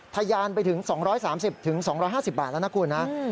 ทยานไปถึง๒๓๐๒๕๐บาทแล้วนะคุณนะ